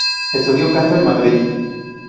Estudió canto en Madrid.